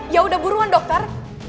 ya udah buruan dokter